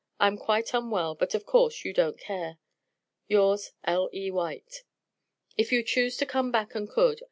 I am quite unwell, but of course, you don't care. Yours, L.E. WHITE. If you choose to come back you could.